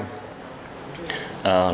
lực lượng công an